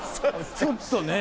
ちょっとねぇ。